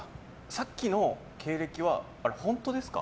さっきの経歴はあれ、本当ですか？